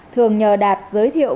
thường nhờ đạt giới thiệu